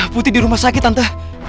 putri di rumah sakit tante